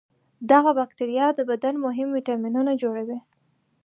دغه بکتریا د بدن مهم ویتامینونه جوړوي.